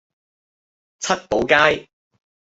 七寶街